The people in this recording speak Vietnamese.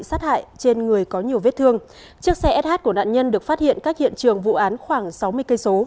xin chào và hẹn gặp lại